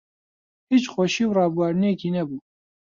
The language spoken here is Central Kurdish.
هیچ خۆشی و ڕابواردنێکی نەبوو